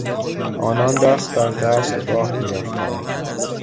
آنان دست در دست راه میرفتند.